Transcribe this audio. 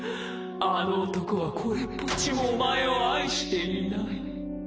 あの男はこれっぽっちもお前を愛していない。